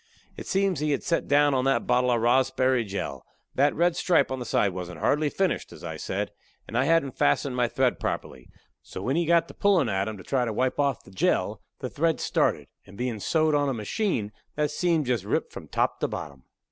It seems he had set down on that bottle of rossberry jell. That red stripe on the side wasn't hardly finished, as I said, and I hadn't fastened my thread properly, so when he got to pullin' at 'em to try to wipe off the jell, the thread started, and bein' sewed on a machine, that seam jest ripped from top to bottom.